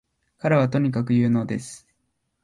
彼はとにかく有能です